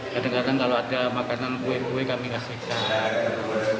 kadang kadang kalau ada makanan kue kue kami kasihkan